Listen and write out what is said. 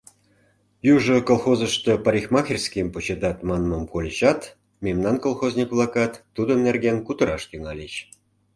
Южо колхозышто парикмахерскийым почедат манмым кольычат, мемнан колхозник-влакат тудын нерген кутыраш тӱҥальыч.